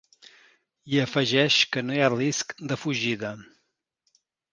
I afegeix que no hi ha risc de fugida.